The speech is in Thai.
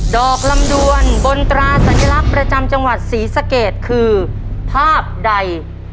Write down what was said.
ดอกลำดวนบนตราสัญลักษณ์ประจำจังหวัดศรีสะเกดคือภาพใด